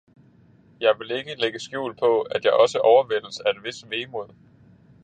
Jeg vil ikke lægge skjul på, at jeg også overvældes af et vist vemod.